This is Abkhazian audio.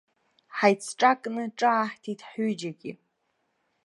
Ҳаицҿакны ҿааҳҭит ҳҩыџьагьы.